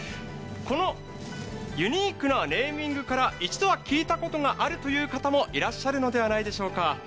このユニークなネーミングから一度は聞いたことがあるという方もいらっしゃるのではないでしょうか。